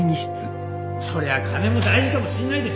そりゃ金も大事かもしんないですよ。